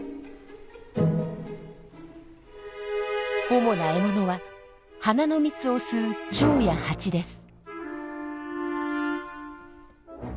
主な獲物は花の蜜を吸うチョウやハチです。